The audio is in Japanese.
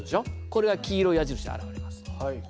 これは黄色い矢印で表れます。